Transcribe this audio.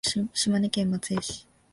島根県松江市